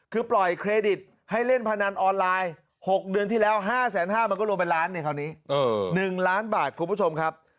คือปล่อยเครดิตให้เล่นพนันออนไลน์๖เดือนที่แล้ว๕๕๐๐บาทมันก็รวมเป็นล้านในคราวนี้๑ล้านบาทคุณผู้ชมครับ